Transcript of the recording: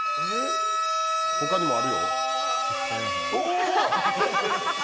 ほかにもあるよ。